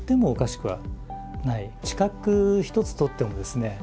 知覚一つとってもですね